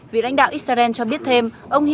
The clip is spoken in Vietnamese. vị lãnh đạo israel cho biết thêm